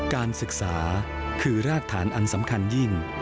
การศึกษาคือรากฐานอันสำคัญยิ่ง